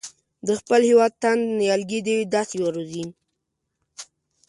د خپل هېواد تاند نیالګي دې داسې وروزي.